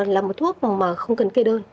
là một thuốc mà không cần kê đơn